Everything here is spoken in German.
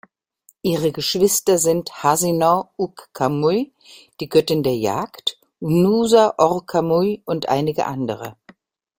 Ihre Geschwister sind Hasinaw-uk-kamuy, die Göttin der Jagd, Nusa-or-kamuy und einige andere.